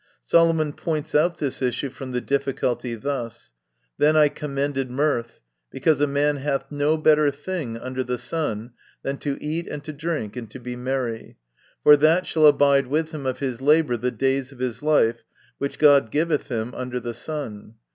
Solomon points out this issue from the difficulty thus :" Then I commended mirth, because a man hath no better thing under the sun, than to eat, and to drink, and to be merry : for that shall abide with him of his labour the days of his life, which God giveth him, under the sun.